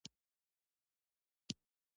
هغوی په موزون زړه کې پر بل باندې ژمن شول.